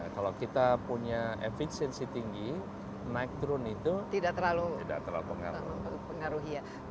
kalau kita punya efisiensi tinggi naik turun itu tidak terlalu